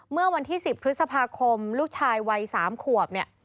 เมื่อวันที่๑๐พฤษภาคมลูกชายวัย๓ขวบเนี่ย